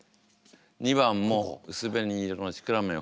２番も「うす紅色のシクラメンほど」。